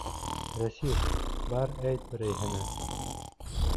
Рәсих, бар әйт берәйһенә!